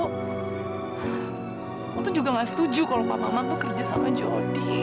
kamu tuh juga gak setuju kalau pak mama tuh kerja sama jody